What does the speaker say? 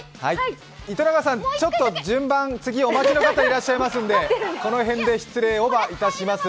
ちょっと順番、次お待ちの方いらっしゃいますのでこの辺で失礼をばいたします。